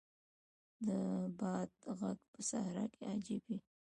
د باد ږغ په صحرا کې عجیب وي.